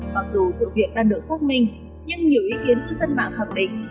mặc dù sự việc đang được xác minh nhưng nhiều ý kiến cư dân mạng khẳng định